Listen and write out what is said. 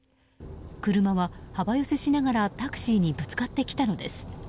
車は幅寄せしながらタクシーにぶつかってきたのです。